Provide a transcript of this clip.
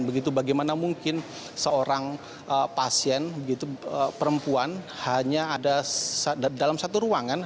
begitu bagaimana mungkin seorang pasien perempuan hanya ada dalam satu ruangan